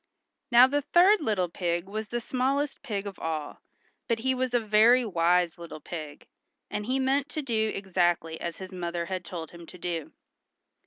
Now the third little pig was the smallest pig of all, but he was a very wise little pig, and he meant to do exactly as his mother had told him to do.